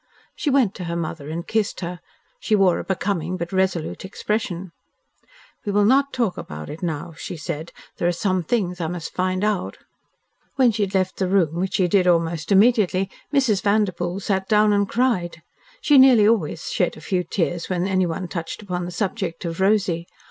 She went to her mother and kissed her. She wore a becoming but resolute expression. "We will not talk about it now," she said. "There are some things I must find out." When she had left the room, which she did almost immediately, Mrs. Vanderpoel sat down and cried. She nearly always shed a few tears when anyone touched upon the subject of Rosy.